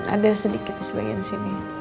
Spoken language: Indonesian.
ada sedikit sebagian sini